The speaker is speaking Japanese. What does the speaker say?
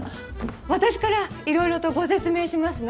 私から色々とご説明しますね。